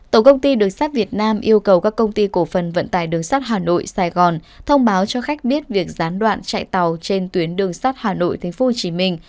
tổng công ty đường sắt việt nam yêu cầu các công ty cổ phần vận tải đường sắt hà nội sài gòn thông báo cho khách biết việc gián đoạn chạy tàu trên tuyến đường sắt hà nội thành phố hồ chí minh